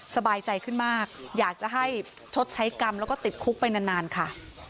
สบายใจขึ้นมากอยากจะให้ชดใช้กรรมแล้วก็ติดคุกไปนานค่ะ